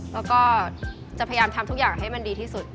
แล้วก็จะพยายามทำทุกอย่างให้มันดีที่สุด